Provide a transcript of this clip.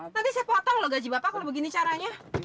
nanti saya potong loh gaji bapak kalau begini caranya